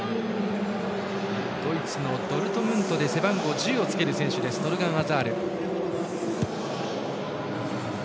ドイツのドルトムントで背番号１０をつける選手トルガン・アザール。